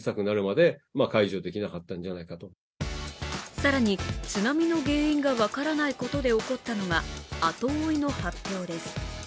更に、津波の原因が分からないことで起こったのが後追いの発表です。